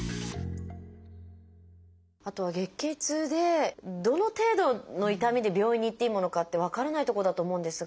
あとは月経痛でどの程度の痛みで病院に行っていいものかって分からないとこだと思うんですが。